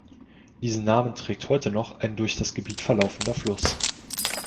Diesen Namen trägt heute noch ein durch das Gebiet verlaufender Fluss.